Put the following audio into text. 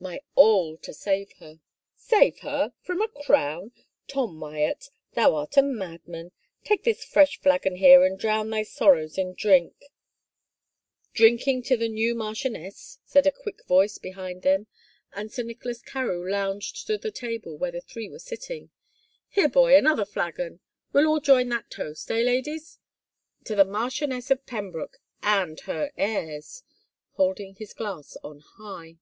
My all to save her." Save her — from a crown ? Tom Wyatt, thou art a madman. Take this fresh flagon here and drown thy sorraws in drink !"" Drinking to the new marchioness ?" said a thick voice behind them, and Sir Nicholas Carewe lounged to the table where the three were sitting. " Here, boy, another flagon — we'll all join that toast, eh, ladies? To the Marchioness oi Pembroke and her heirs!" holding his glass on high.